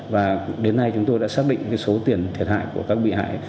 và đến nay chúng tôi đã xác định số tiền thiệt hại của các bị hại